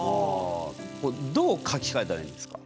これどう書きかえたらいいんですか？